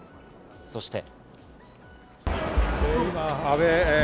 そして。